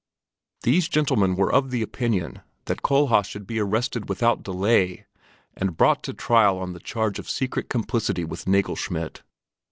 These gentlemen were of the opinion that Kohlhaas should be arrested without delay and brought to trial on the charge of secret complicity with Nagelschmidt.